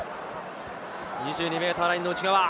２２ｍラインの内側。